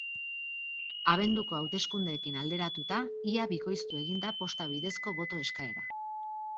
Abenduko hauteskundeekin alderatuta, ia bikoiztu egin da posta bidezko boto eskaera.